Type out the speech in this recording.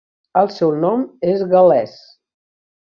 El seu nom es gal·lès.